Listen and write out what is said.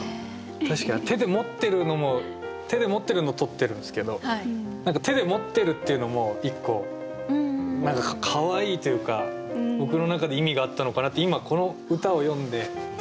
確かに手で持ってるのも手で持ってるの撮ってるんですけど何か手で持ってるっていうのも１個かわいいというか僕の中で意味があったのかなって今この歌を読んでそう思いました。